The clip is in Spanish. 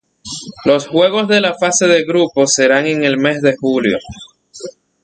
Los juegos de la fase de grupos serán en el mes de julio.